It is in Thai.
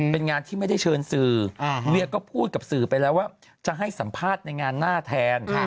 เป็นงานที่ไม่ได้เชิญสื่อเรียก็พูดกับสื่อไปแล้วว่าจะให้สัมภาษณ์ในงานหน้าแทน